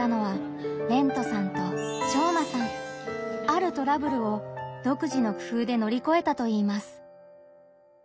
あるトラブルを独自の工夫でのりこえたといいます。